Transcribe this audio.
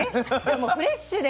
もうフレッシュで。